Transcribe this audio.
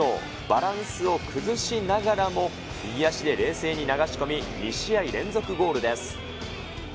バランスを崩しながらも右足で冷静に流し込み、２試合連続ゴールです。